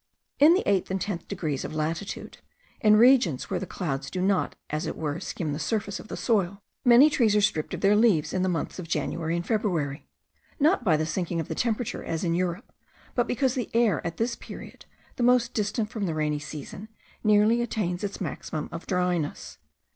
In the eighth and tenth degrees of latitude, in regions where the clouds do not, as it were, skim the surface of the soil, many trees are stripped of their leaves in the months of January and February; not by the sinking of the temperature as in Europe, but because the air at this period, the most distant from the rainy season, nearly attains its maximum of dryness.